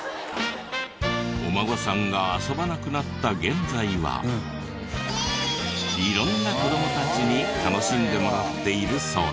お孫さんが遊ばなくなった現在は色んな子供たちに楽しんでもらっているそうです。